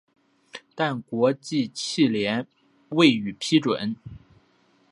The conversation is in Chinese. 但国际汽联未予批准。